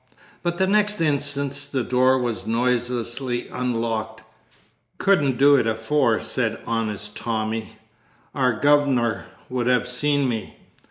But the next instant the door was noiselessly unlocked. "Couldn't do it afore," said honest Tommy. "Our guv'nor would have seen me.